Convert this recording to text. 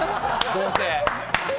どうせ！